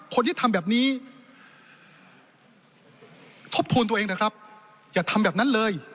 คนที่ทำแบบนี้ทบทวนตัวเองนะครับอย่าทำแบบนั้นเลย